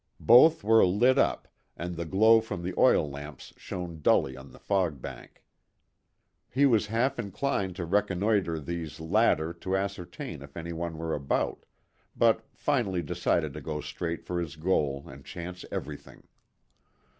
Both were lit up, and the glow from the oil lamps shone dully on the fog bank. He was half inclined to reconnoitre these latter to ascertain if any one were about, but finally decided to go straight for his goal and chance everything.